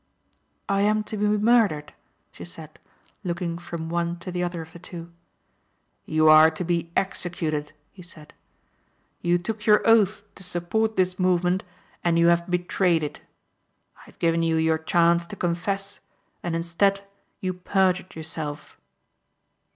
"I am to be murdered?" she said looking from one to the other of the two. "You are to be executed," he said. "You took your oath to support this movement and you have betrayed it. I have given you your chance to confess and instead you perjured yourself."